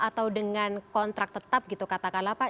atau dengan kontrak tetap gitu kata kalapa